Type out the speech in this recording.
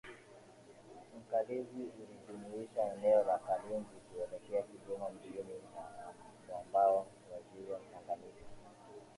Nkalinzi ulijumuisha eneo la kalinzi kuelekea kigoma mjini na mwambao wa ziwa tanganyika